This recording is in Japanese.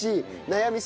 悩み